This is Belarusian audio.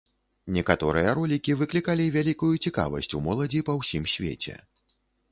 Некаторыя ролікі выклікалі вялікую цікавасць у моладзі па ўсім свеце.